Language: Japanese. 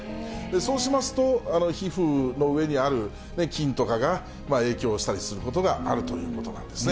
そうしますと、皮膚の上にある菌とかが影響したりすることがあるということなんですね。